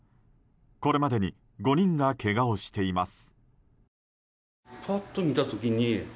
これまでに５人がけがをしています。